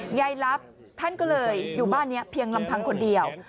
ยายลับท่านก็เลยอยู่บ้านนี้เพียงลำพังคนเดียว